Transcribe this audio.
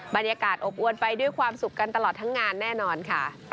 บรรยากาศอบอวนไปด้วยความสุขกันตลอดทั้งงานแน่นอนค่ะ